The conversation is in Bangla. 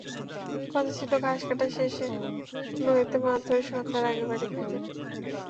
কথা ছিল ঘাস কাটা শেষে নদীতে মাছ ধরে সন্ধ্যার আগে বাড়ি ফিরবেন।